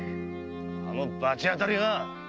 あの罰当たりが！